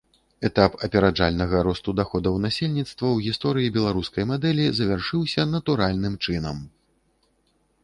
Этап апераджальнага росту даходаў насельніцтва ў гісторыі беларускай мадэлі завяршыўся натуральным чынам.